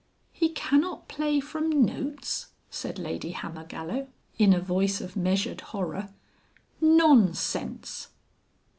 "He cannot play from Notes!" said Lady Hammergallow in a voice of measured horror. "Non sense!"